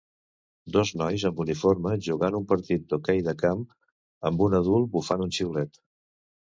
Dos nois amb uniforme jugant un partit d'hoquei de camp amb un adult bufant un xiulet.